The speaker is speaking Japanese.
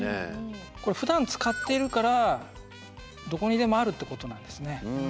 これふだん使っているからどこにでもあるってことなんですね。